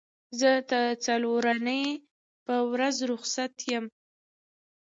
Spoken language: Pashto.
زه د څلورنۍ په ورځ روخصت یم